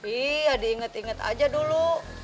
iya diinget inget aja dulu